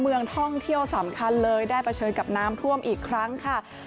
เมืองท่องเที่ยวสำคัญเลยได้เผชิญกับน้ำท่วมอีกครั้งค่ะ